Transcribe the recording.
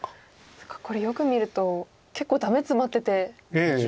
そっかこれよく見ると結構ダメツマってて。